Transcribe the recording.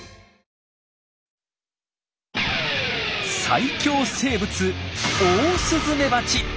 最強生物オオスズメバチ。